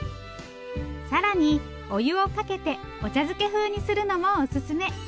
更にお湯をかけてお茶漬け風にするのもおすすめ。